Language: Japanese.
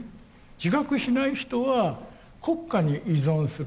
自覚しない人は国家に依存する。